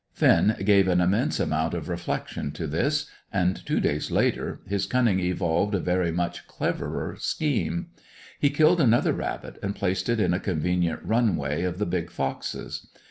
Finn gave an immense amount of reflection to this, and two days later, his cunning evolved a very much cleverer scheme. He killed another rabbit, and placed it in a convenient run way of the big fox's.